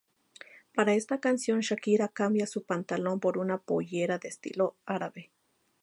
Para esta canción Shakira cambia su pantalón por una pollera de estilo árabe.